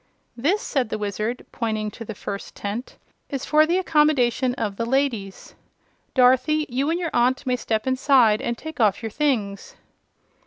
"This," said the Wizard, pointing to the first tent, "is for the accommodation of the ladies. Dorothy, you and your Aunt may step inside and take off your things."